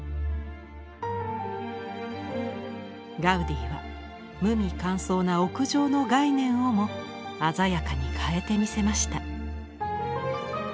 ガウディは無味乾燥な屋上の概念をも鮮やかに変えてみせました。